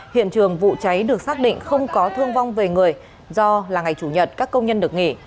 hiện trường vụ cháy được xác định không có thương vong về người do là ngày chủ nhật các công nhân được nghỉ